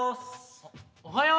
あおはよう。